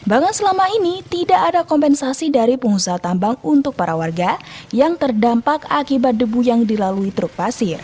bahkan selama ini tidak ada kompensasi dari pengusaha tambang untuk para warga yang terdampak akibat debu yang dilalui truk pasir